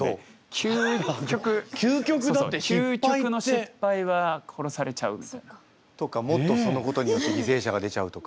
究極究極の失敗は殺されちゃうみたいな。とかもっとそのことによって犠牲者が出ちゃうとか。